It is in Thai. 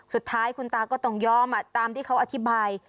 สุดท้ายคุณตาก็ต้องยอมตามที่เขาอธิบาย